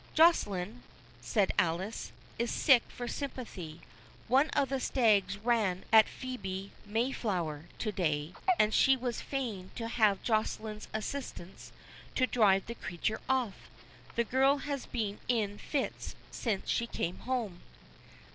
"Joceline," said Alice, "is sick for sympathy—one of the stags ran at Phœbe Mayflower to day, and she was fain to have Joceline's assistance to drive the creature off—the girl has been in fits since she came home."